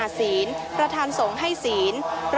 พาคุณผู้ชมไปติดตามบรรยากาศกันที่วัดอรุณราชวรรมหาวิหารค่ะ